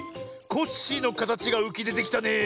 コッシーのかたちがうきでてきたねえ。